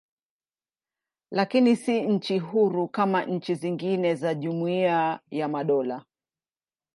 Lakini si nchi huru kama nchi nyingine za Jumuiya ya Madola.